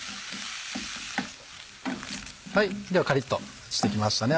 カリっとしてきましたね